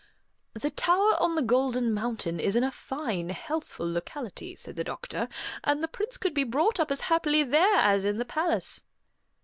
"The tower on the Golden Mountain is in a fine healthful locality," said the doctor, "and the Prince could be brought up as happily there as in the palace."